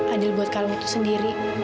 adil buat kalung itu sendiri